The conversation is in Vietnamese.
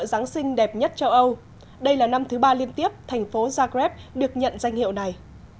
giáng sinh đẹp nhất châu âu đây là năm thứ ba liên tiếp thành phố zarrep được nhận danh hiệu này